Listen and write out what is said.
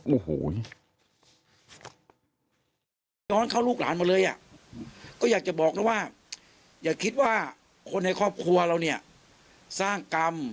โอ้โหย้อนเข้าลูกหลานหมดเลยอ่ะก็อยากจะบอกนะว่าอย่าคิดว่าคนในครอบครัวเราเนี่ยสร้างกรรม